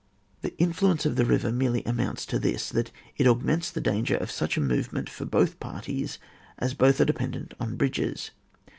The influence of the river merely amounts to this, that it augments the danger of such a move ment for both parties, as both are depen dent on bridges.